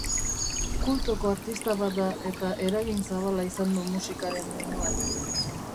Kultoko artista bat da eta eragin zabala izan du musikaren munduan.